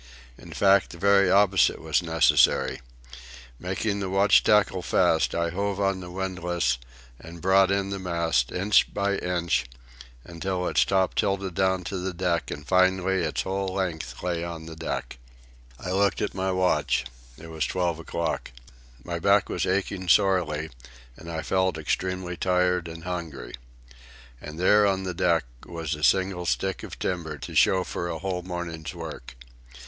In fact, the very opposite was necessary. Making the watch tackle fast, I hove on the windlass and brought in the mast, inch by inch, till its top tilted down to the deck and finally its whole length lay on the deck. I looked at my watch. It was twelve o'clock. My back was aching sorely, and I felt extremely tired and hungry. And there on the deck was a single stick of timber to show for a whole morning's work.